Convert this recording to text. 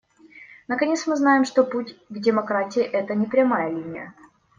Наконец, мы знаем, что путь к демократии — это не прямая линия.